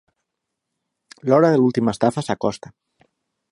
L'hora de l'última estafa s’acosta.